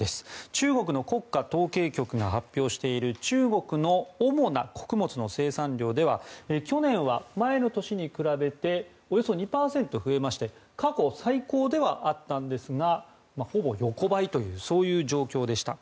中国の国家統計局が発表している中国の主な穀物の生産量では去年は前の年に比べておよそ２％増えまして過去最高ではあったんですがほぼ横ばいというそういう状況でした。